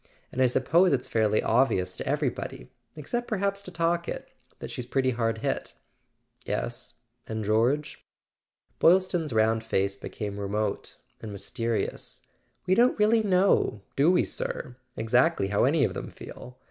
And I suppose it's fairly obvious to everybody—except perhaps to Talkett—that she's pretty hard hit." "Yes. And George?" Boylston's round face became remote and mys¬ terious. "We don't really know—do we, sir?—exactly how any of them feel ?